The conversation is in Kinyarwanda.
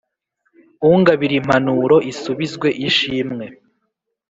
Ungabirimpanuro isubizwe ishimwe.